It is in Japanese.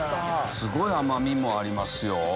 すごい甘みもありますよ。